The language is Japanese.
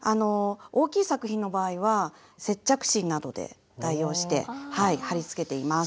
大きい作品の場合は接着芯などで代用して貼りつけています。